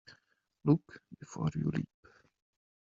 Look before you leap.